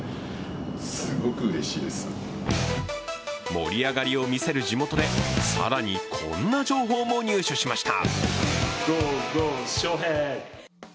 盛り上がりを見せる地元で更にこんな情報も入手しました。